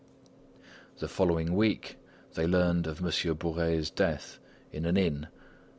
The following week they learned of Monsieur Bourais' death in an inn.